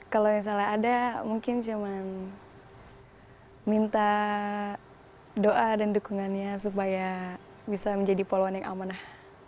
kalau misalnya ada mungkin cuma minta doa dan dukungannya supaya bisa menjadi poluan yang amanah